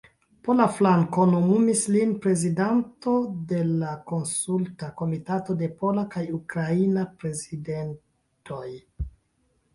Pola flanko nomumis lin prezidanto de la Konsulta Komitato de Pola kaj Ukraina Prezidentoj.